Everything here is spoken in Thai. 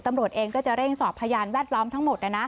ตำรวจเองก็จะเร่งสอบพยานแวดล้อมทั้งหมดนะนะ